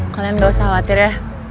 kalian nggak usah khawatir ya